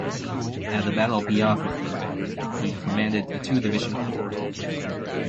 At the Battle of Piave River he commanded a two-division corps.